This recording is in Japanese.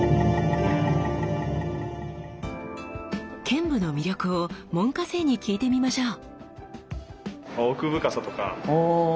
剣舞の魅力を門下生に聞いてみましょう！